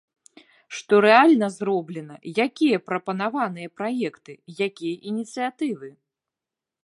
Што рэальна зроблена, якія прапанаваныя праекты, якія ініцыятывы?